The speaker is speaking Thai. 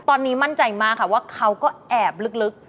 ตอนนี้มั่นใจมากค่ะว่าเขาก็แอบลึก